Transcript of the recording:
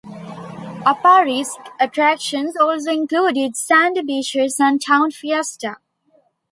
Aparri's attractions also include its sandy beaches and town fiesta.